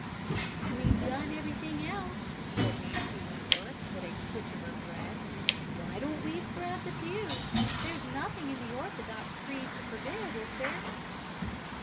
"We've done everything else," said Nancy Wentworth, with a twitch of her thread; "why don't we scrub the pews? There's nothing in the orthodox creed to forbid, is there?"